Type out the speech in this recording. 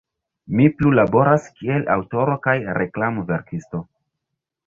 Mi plu laboras kiel aŭtoro kaj reklamverkisto.